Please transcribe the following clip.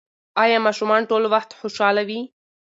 ایا ماشومان ټول وخت خوشحاله وي؟